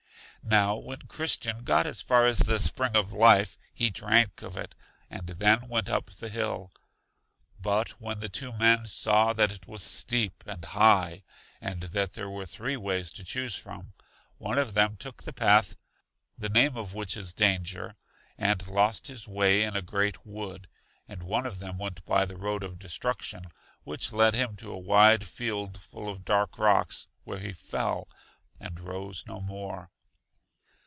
Now when Christian got as far as the Spring of Life he drank of it, and then went up the hill. But when the two men saw that it was steep and high, and that there were three ways to choose from, one of them took the path the name of which is Danger, and lost his way in a great wood, and one of them went by the road of Destruction, which led him to a wide field full of dark rocks, where he fell, and rose no more.